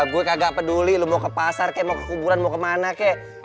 gue kagak peduli lu mau ke pasar kek mau ke kuburan mau kemana kek